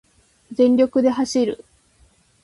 全力で走る